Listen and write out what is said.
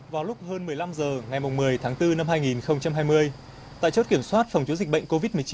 vào lúc hơn một mươi năm h ngày một mươi tháng bốn năm hai nghìn hai mươi tại chốt kiểm soát phòng chống dịch bệnh covid một mươi chín